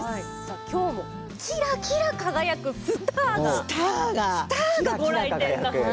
今日もキラキラ輝くスターがご来店だそうで。